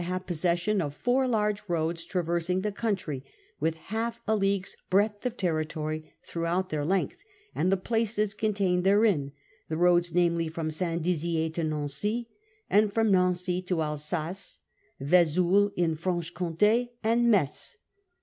have possession of four large roads traversing the country, with half a leagued breadth of territory throughout their length, and the places contained therein : the roads, namely, from St. Dizier to Nancy, and from Nancy to Alsace, Vesoul in Franche Comtd, and Metz.